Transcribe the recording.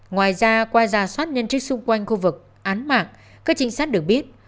ngoài ra qua gia soát nhân trích xung quanh khu vực án mạng các chính sách được biết